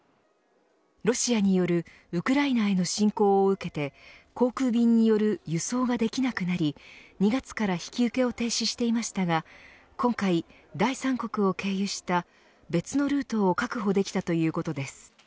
ロシアによるウクライナへの侵攻を受けて航空便による輸送ができなくなり２月から引き受けを停止していましたが今回、第三国を経由した別のルートを確保できたということです。